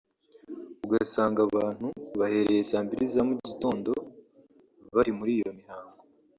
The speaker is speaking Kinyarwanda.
ugasanga abantu bahereye saa mbiri za mu gitondo bari muri iyo mihango